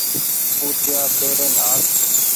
پوٺيآ پيرين آس